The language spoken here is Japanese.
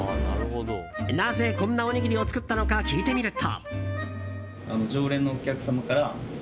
なぜ、こんなおにぎりを作ったのか聞いてみると。